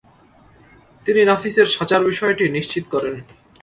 তিনি নাফিসের সাজার বিষয়টি নিশ্চিত করেন।